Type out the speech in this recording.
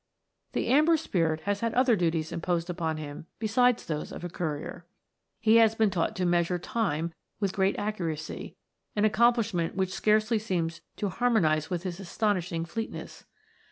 The Amber Spirit has had other duties imposed upon him besides those of a courier. He has been taught to measure time with great accuracy, an accomplishment which scarcely seems to harmonize with his astonishing fleetness.